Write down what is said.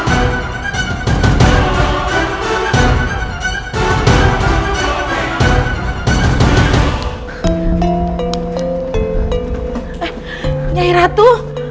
eh nyai ratu